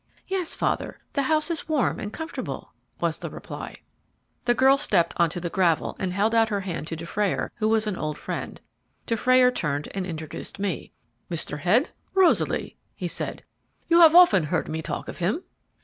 "Yes, father; the house is warm and comfortable," was the reply. The girl stepped on to the gravel, and held out her hand to Dufrayer, who was an old friend. Dufrayer turned and introduced me. "Mr. Head, Rosaly," he said; "you have often heard me talk of him."